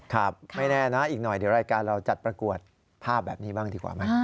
ครับไม่แน่นะอีกหน่อยเดี๋ยวรายการเราจัดประกวดภาพแบบนี้บ้างดีกว่าไหม